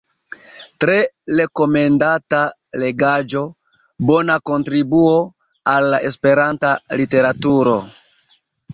Tre rekomendata legaĵo, bona kontribuo al la Esperanta literaturo.